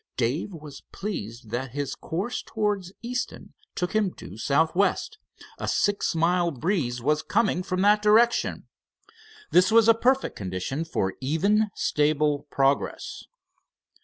Dave was pleased that his course towards Easton took him due southwest. A six mile breeze was coming from that direction. This was a perfect condition for even, stable progress.